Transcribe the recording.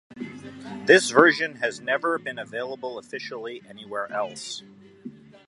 This version has never been available officially anywhere else.